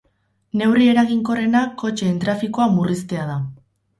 Neurri eraginkorrena kotxeen trafikoa murriztea da.